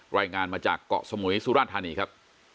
รายงานมาจากเกาะสมุยสุราธานีครับ